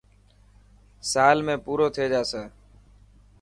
سال ۾ پورو ٿي جاسي.